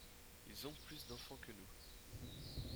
Ils ont plus d’enfants que nous.